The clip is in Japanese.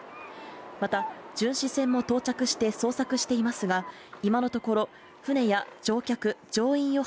また、巡視船も到着して捜索していますが、今のところ、船や乗客・乗員を